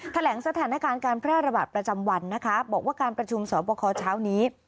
แถลงสถานการณ์การแพร่ระบาดประจำวันนะคะบอกว่าการประชุมสอบคอเช้านี้